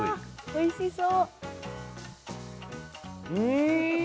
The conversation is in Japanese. おいしそう！